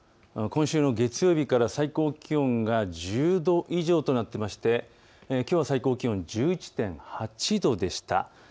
今週の月曜日から最高気温が１０度以上となっていましてきょうの最高気温、１１．８度でした。